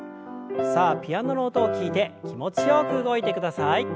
さあピアノの音を聞いて気持ちよく動いてください。